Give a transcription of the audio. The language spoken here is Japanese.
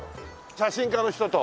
写真家の人と。